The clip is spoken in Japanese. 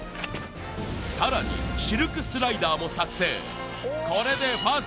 さらにシルクスライダーも作成